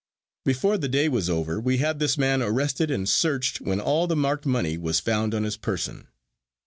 Before the day was over we had this man arrested and searched, when all of the marked money was found on his person.